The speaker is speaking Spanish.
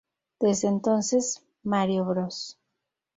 Desde entonces, "Mario Bros.